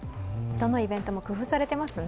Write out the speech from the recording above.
どのイベントも工夫されていますね。